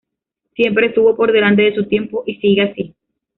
Siempre estuvo por delante de su tiempo y sigue así.